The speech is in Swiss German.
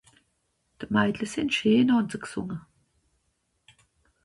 De Maidle se scheen, han se gsunge.